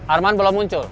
arman belum muncul